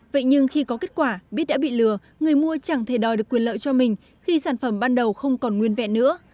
vậy nhưng khi có kết quả biết đã bị lừa người mua chẳng thể đòi được quyền lợi cho mình khi sản phẩm ban đầu không còn nguyên vẹn nữa